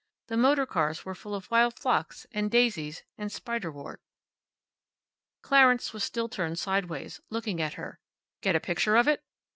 The motor cars were full of wild phlox and daisies and spiderwort." Clarence was still turned sideways, looking at her. "Get a picture of it?"